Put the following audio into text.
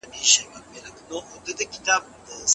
د ملکیار هوتک سبک د لومړنۍ دورې د شعرونو ځانګړنې لري.